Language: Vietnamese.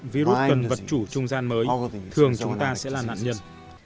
virus cần vật chủ trung gian mới thường chúng ta sẽ là nạn nhân